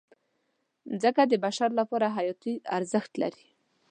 مځکه د بشریت لپاره حیاتي ارزښت لري.